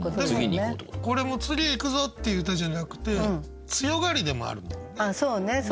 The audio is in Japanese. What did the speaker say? でもこれも次いくぞっていう歌じゃなくて強がりでもあるんだもんね。